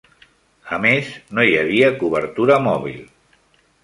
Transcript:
A més, no hi havia cobertura mòbil.